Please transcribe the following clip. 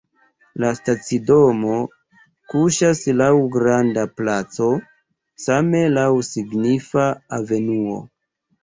La stacidomo kuŝas laŭ granda placo, same laŭ signifa avenuo.